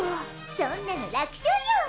そんなの楽勝よ！